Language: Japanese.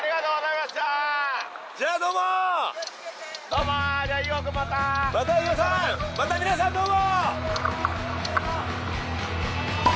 また皆さんどうも！